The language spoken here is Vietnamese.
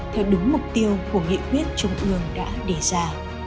theo đúng mục tiêu của nghị quyết trung ương đã đề ra